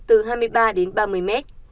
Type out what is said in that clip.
từ hai mươi ba đến ba mươi mét